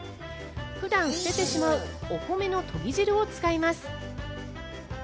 普段捨ててしまうお米のとぎ汁を使います。